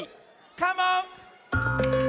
カモン！